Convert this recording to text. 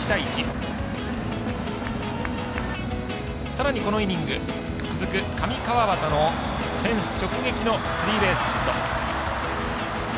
さらにこのイニング続く上川畑のフェンス直撃のスリーベースヒット。